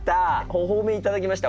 お褒めいただきました。